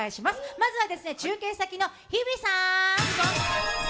まずは中継先の日比さん？